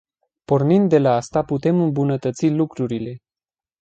Pornind de la asta putem îmbunătăți lucrurile.